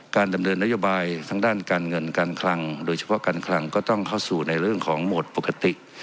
ดำเนินนโยบายทั้งด้านการเงินการคลังโดยเฉพาะการคลังก็ต้องเข้าสู่ในเรื่องของโหมดปกติ